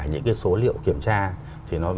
những số liệu kiểm tra thì nó